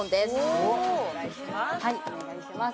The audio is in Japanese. お願いします